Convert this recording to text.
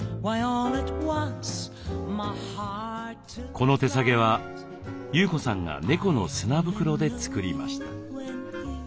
この手提げは優子さんが猫の砂袋で作りました。